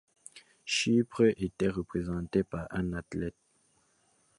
Chypre était représenté par un athlète.